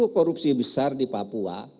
sepuluh korupsi besar di papua